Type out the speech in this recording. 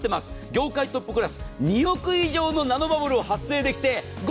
業界トップクラス２億以上のナノバブルを発生できて５０％